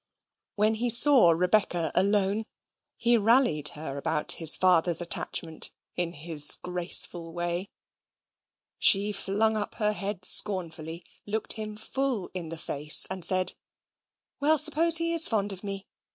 When he saw Rebecca alone, he rallied her about his father's attachment in his graceful way. She flung up her head scornfully, looked him full in the face, and said, "Well, suppose he is fond of me.